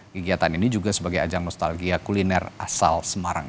kegiatan ini juga sebagai ajang nostalgia kuliner asal semarang